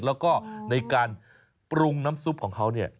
แล้วก็ในการปรุงน้ำซุปของเขาเนี่ย